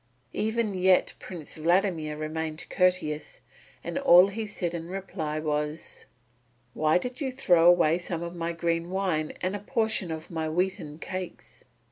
Even yet Prince Vladimir remained courteous, and all he said in reply was: "Why did you throw away some of my green wine and a portion of my wheaten cakes?"